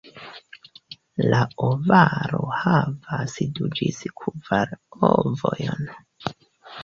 La ovaro havas du ĝis kvar ovojn.